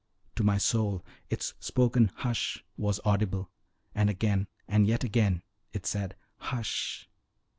To my soul its spoken "Hush!" was audible, and again, and yet again, it said "Hush!"